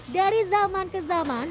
dari zaman ke zaman